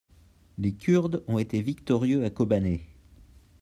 les Kurdes ont été victorieux à Kobané.